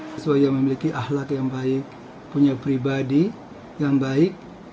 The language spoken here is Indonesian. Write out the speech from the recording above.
siswa yang memiliki ahlak yang baik punya pribadi yang baik